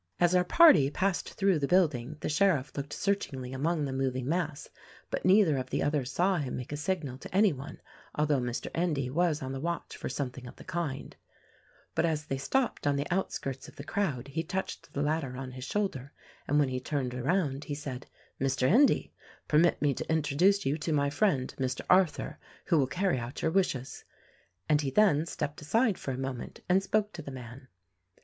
As our party passed through the building the sheriff looked searchingly among the moving mass, but neither of the others saw him make a signal to any one, although Mr. Endy was on the watch for something of the kind; but as they stopped on the outskirts of the crowd he touched the latter on his shoulder and when he turned around he said, "Mr. Endy, permit me to introduce to you my friend Mr. Arthur, who will carry out your wishes;" and he then stepped aside for a moment and spoke to the man.